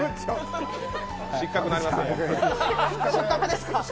失格になりますよ。